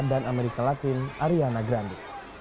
dan amerika latin ariana grande